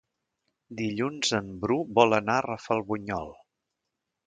Dilluns en Bru vol anar a Rafelbunyol.